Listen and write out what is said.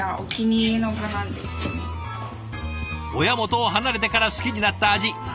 親元を離れてから好きになった味。